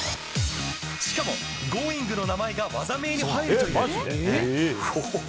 しかも「Ｇｏｉｎｇ！」の名前が技名に入るという。